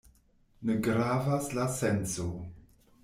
Ne gravas la senco.